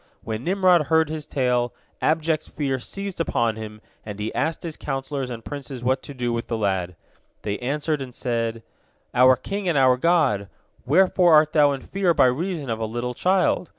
When Nimrod heard his tale, abject fear seized upon him, and he asked his counsellors and princes what to do with the lad. They answered, and said: "Our king and our god! Wherefore art thou in fear by reason of a little child?